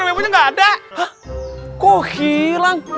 enggak ada kok hilang